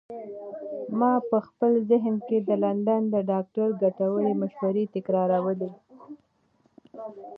ما په خپل ذهن کې د لندن د ډاکتر ګټورې مشورې تکرارولې.